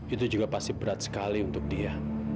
itu juga pasti berat sekali untuk dia